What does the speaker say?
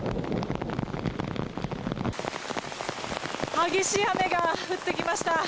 激しい雨が降ってきました。